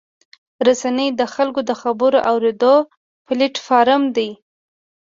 رسنۍ د خلکو د خبرو اورېدو پلیټفارم دی.